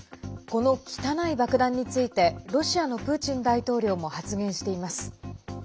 この汚い爆弾についてロシアのプーチン大統領も発言しています。